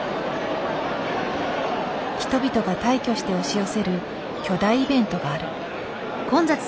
人々が大挙して押し寄せる巨大イベントがある。